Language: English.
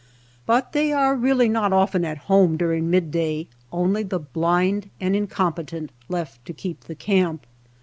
But they are really not often at home during midday, only the blind and incompetent left to keep the camp.